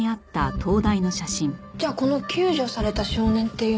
じゃあこの救助された少年っていうのは。